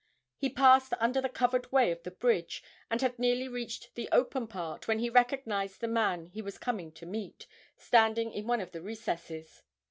He passed under the covered way of the bridge, and had nearly reached the open part, when he recognised the man he was coming to meet standing in one of the recesses.